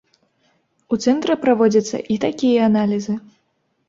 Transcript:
У цэнтры праводзяцца і такія аналізы.